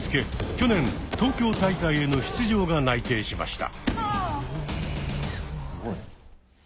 去年東京大会への出場が内定しました。